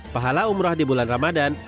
pahala umroh di bulan ramadan